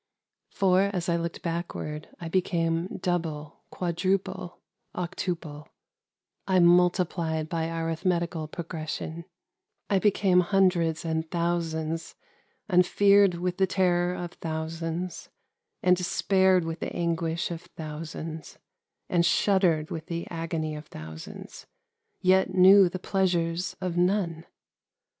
For, as I looked backward, I became double, quadruple, octuple ;— I multi plied by arithmetical progression ;— I became hundreds and thousands, — and feared with the terror of thousands, — and despaired with the anguish of thousands, — and shuddered with the agony of thousands ; yet knew the pleasure of none.